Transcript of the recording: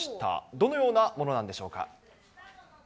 どのようなものなんでしょうか。